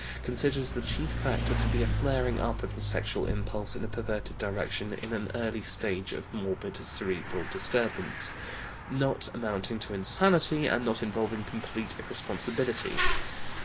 i, Heft 4, 1909), considers the chief factor to be a flaring up of the sexual impulse in a perverted direction in an early stage of morbid cerebral disturbance, not amounting to insanity and not involving complete irresponsibility.